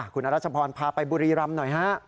คุณอรัชพรพาไปบุรีรำหน่อยฮะ